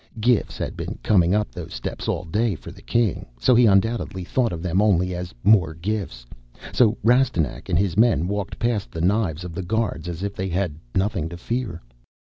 Gifts had been coming up those steps all day for the King, so he undoubtedly thought of them only as more gifts. So Rastignac and his men walked past the knives of the guards as if they had nothing to fear.